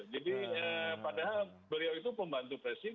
jadi padahal beliau itu pembantu presiden